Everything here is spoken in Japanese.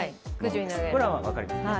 これは分かりますね？